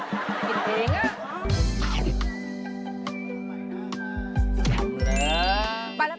จำดูแล